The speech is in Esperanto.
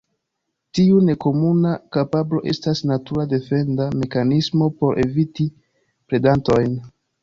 Tiu nekomuna kapablo estas natura defenda mekanismo por eviti predantojn.